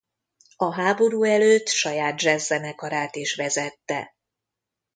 A háború előtt saját jazz-zenekarát is vezette.